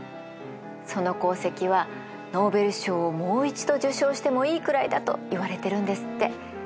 その功績はノーベル賞をもう一度受賞してもいいくらいだといわれてるんですって。